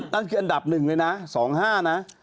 นั่นคืออันดับหนึ่งเลยนะ๒๕นะ